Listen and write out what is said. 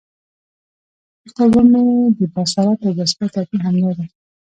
ورته ومي د بصارت او بصیرت توپیر همد دادی،